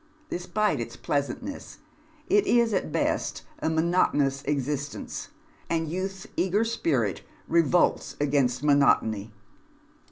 Despite its pleasantness, it is at best a mono tonous existence, and youth's eager spirit revolts against mono tony.